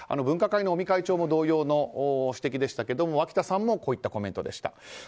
分科会の尾身会長も同様の指摘でしたが脇田さんもこういったコメントでした。